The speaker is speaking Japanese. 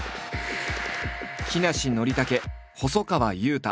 木梨憲武細川雄太